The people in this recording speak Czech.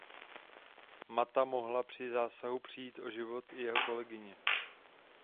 Mata mohla při zásahu přijít o život i jeho kolegyně.